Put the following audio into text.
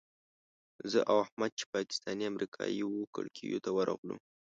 زه او احمد چې پاکستاني امریکایي وو کړکیو ته ورغلو.